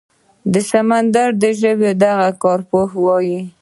د سمندري ژویو دغه کارپوهه وايي